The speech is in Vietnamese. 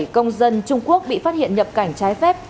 bảy công dân trung quốc bị phát hiện nhập cảnh trái phép